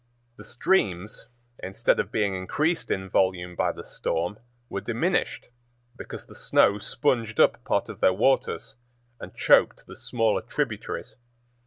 The streams, instead of being increased in volume by the storm, were diminished, because the snow sponged up part of their waters and choked the smaller tributaries.